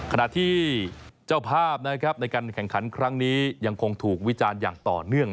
ขณะที่เจ้าภาพในการศึกซ้อมตกลงคู่ยังคงถูกวิจารณ์อย่างต่อเนื่อง